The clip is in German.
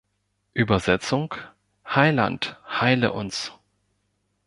Übersetzung: Heiland, heile uns.